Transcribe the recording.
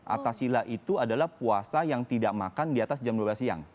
atasila itu adalah puasa yang tidak makan di atas jam dua belas siang